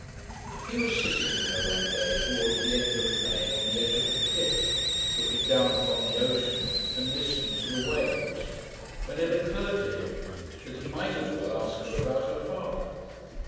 He was sitting with her one day towards the end of May on the edge of the cliff, looking down upon the ocean and listening to the waves, when it occurred to him that he might as well ask her about her father.